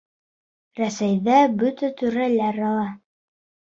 Рәсәйҙә бөтә түрәләр ала!